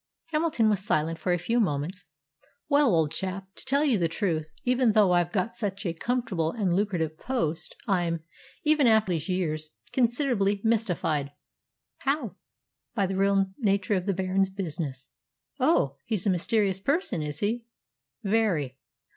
Hamilton was silent for a few moments. "Well, old chap, to tell you the truth, even though I've got such a comfortable and lucrative post, I'm, even after these years, considerably mystified." "How?" "By the real nature of the Baron's business." "Oh, he's a mysterious person, is he?" "Very.